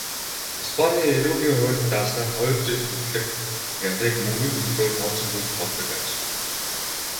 Испанийн эрүүгийн хуульд зааснаар хоёр жил хүртэлх ялыг мөнгөн төлбөрөөр тооцон төлж болдог аж.